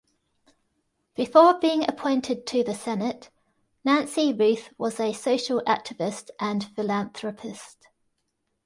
Before being appointed to the Senate, Nancy Ruth was a social activist and philanthropist.